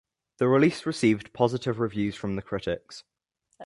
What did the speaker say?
The release received positive reviews from the critics.